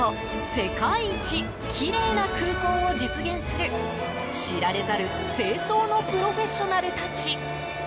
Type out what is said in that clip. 世界一きれいな空港を実現する知られざる清掃のプロフェッショナルたち。